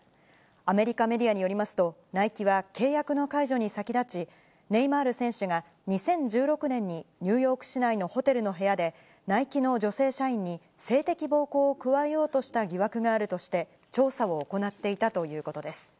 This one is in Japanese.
アメリカメディアによりますと、ナイキは、契約の解除に先立ち、ネイマール選手が２０１６年に、ニューヨーク市内のホテルの部屋で、ナイキの女性社員に、性的暴行を加えようとした疑惑があるとして、調査を行っていたということです。